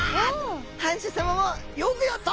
藩主さまも「よくやった」。